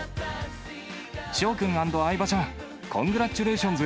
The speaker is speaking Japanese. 翔君＆相葉ちゃん、コングラッチュレーションズ。